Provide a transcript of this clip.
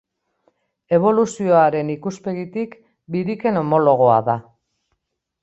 Eboluzioaren ikuspegitik, biriken homologoa da.